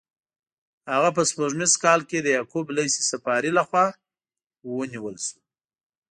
هغه په سپوږمیز کال کې د یعقوب لیث صفاري له خوا ونیول شو.